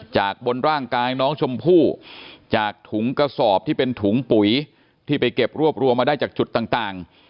บนร่างกายน้องชมพู่จากถุงกระสอบที่เป็นถุงปุ๋ยที่ไปเก็บรวบรวมมาได้จากจุดต่าง